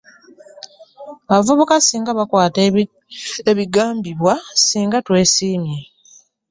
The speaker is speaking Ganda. Abavubuka ssinga bakwata ebibagambibwa ssinga twesiimye.